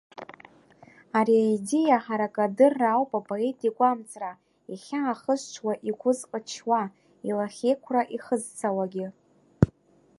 Ари аидеиа ҳаракы адырра ауп апоет игәамҵра, ихьаа хызҽуа, игәы зҟычуа, илахьеиқәра ихызцауагьы.